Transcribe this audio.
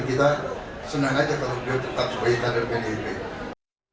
kita senang saja kalau dia tetap sebagai kader pdp